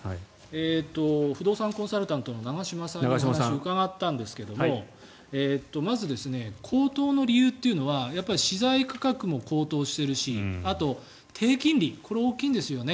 不動産コンサルタントの長嶋さんにお話を伺ったんですがまず、高騰の理由というのはやっぱり資材価格も高騰しているしあと、低金利これが大きいんですよね。